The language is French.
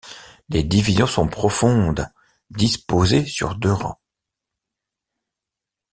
Les divisions sont profondes, disposées sur deux rangs.